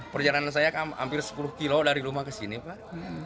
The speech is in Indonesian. perjalanan saya hampir sepuluh km dari rumah ke sekolah